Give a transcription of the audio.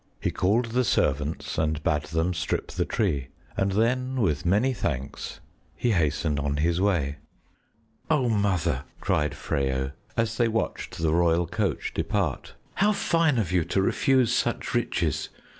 He called the servants and bade them strip the tree, and then, with many thanks, he hastened on his way. "Oh, Mother!" cried Freyo, as they watched the royal coach depart. "How fine of you to refuse such riches!